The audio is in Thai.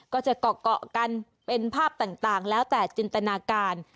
ก็จะเกาะเกาะกันเป็นภาพต่างแล้วแต่จินตนาการ